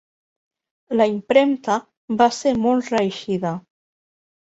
La impremta va ser molt reeixida.